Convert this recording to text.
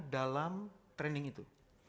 dalam training itu